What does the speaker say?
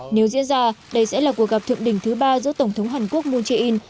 nếu diễn ra đây sẽ là cuộc gặp thượng đỉnh thứ ba giữa tổng thống hàn quốc moon jae in